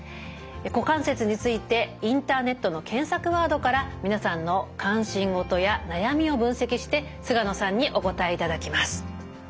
股関節についてインターネットの検索ワードから皆さんの関心事や悩みを分析して菅野さんにお答えいただきます。